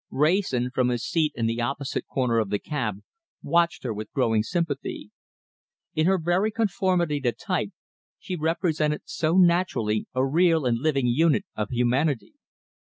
Wrayson, from his seat in the opposite corner of the cab, watched her with growing sympathy. In her very conformity to type, she represented so naturally a real and living unit of humanity.